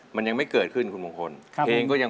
มันยังไม่เกิดขึ้นเพียงไม่ได้ฟัง